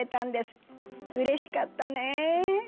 うれしかったね！